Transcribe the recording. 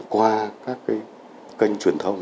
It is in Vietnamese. qua các kênh truyền thông